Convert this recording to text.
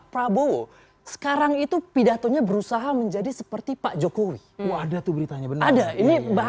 prabowo sekarang itu pidatonya berusaha menjadi seperti pak jokowi waduh beritanya benar ada ini